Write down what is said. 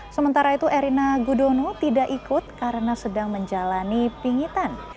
sementara itu erina gudono tidak ikut karena sedang menjalani pingitan